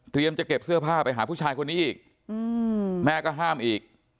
จะเก็บเสื้อผ้าไปหาผู้ชายคนนี้อีกแม่ก็ห้ามอีก